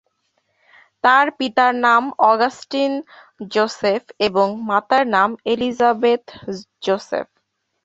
তার পিতার নাম অগাস্টিন জোসেফ এবং মাতার নাম এলিজাবেথ জোসেফ।